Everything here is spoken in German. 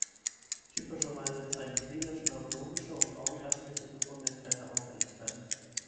Typischerweise zeigen klinisch-neurologische und augenärztliche Befunde keine Auffälligkeiten.